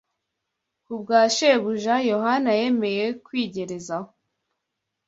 Kubwa Shebuja, Yohana yemeye kwigerezaho